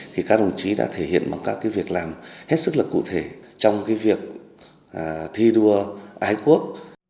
thì các đồng chí đã thể hiện bằng các việc làm hết sức là cụ thể trong việc thi đua ái quốc